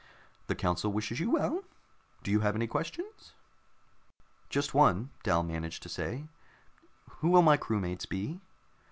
"The council wishes you well. Do you have any questions?" "Just one," Dal managed to say. "Who will my crewmates be?"